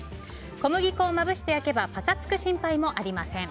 小麦粉をまぶして焼けばパサつく心配もありません。